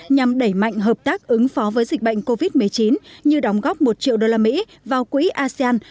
nhằm đẩy mạnh hợp tác ứng phó với dịch bệnh covid một mươi chín như đóng góp một triệu usd vào quỹ asean